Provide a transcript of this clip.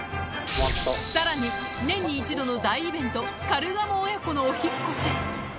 さらに年に一度の大イベント、カルガモ親子のお引っ越し。